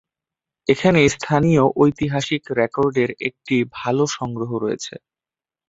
এখানে স্থানীয় ঐতিহাসিক রেকর্ডের একটি ভাল সংগ্রহ রয়েছে।